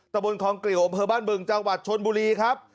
ตระบวนคลองเกลี่ยวอบเภอบ้านเบิ่งจังหวัดชนบุรีครับ